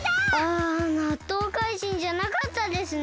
あなっとうかいじんじゃなかったですね。